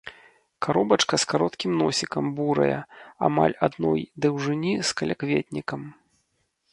Каробачка з кароткім носікам, бурая, амаль адной даўжыні з калякветнікам.